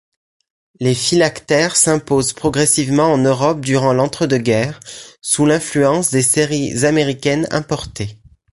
Les phylactères s'imposent progressivement en Europe durant l'entre-deux-guerres, sous l'influence des séries américaines importées.